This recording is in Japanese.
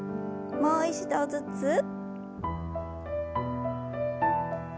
もう一度ずつ。